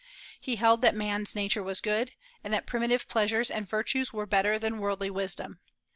He held that man's nature was good, and that primitive pleasures and virtues were better than worldly wisdom.